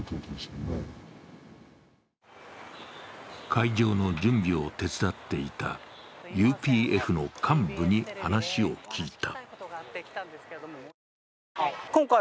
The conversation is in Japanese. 会場の準備を手伝っていたＵＰＦの幹部に話を聞いた。